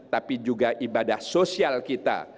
tapi juga ibadah sosial kita